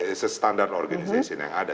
is a standard organization yang ada